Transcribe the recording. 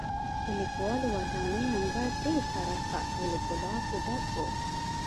د لیکوالو ودانۍ انګړ ډېر پراخه او له ګلابو ډک و.